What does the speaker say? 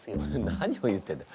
何を言ってるんだ。